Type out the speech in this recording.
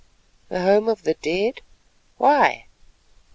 "The Home of the Dead! Why?"